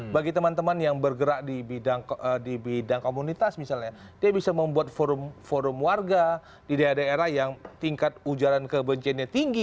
bagi teman teman yang bergerak di bidang komunitas misalnya dia bisa membuat forum warga di daerah daerah yang tingkat ujaran kebenciannya tinggi